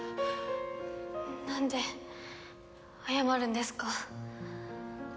なんで謝るんですか？